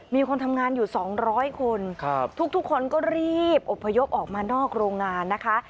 มีคนทำงานอยู่๒๐๐คนทุกคนก็รีบอบพยพออกมานอกโรงงานนะคะ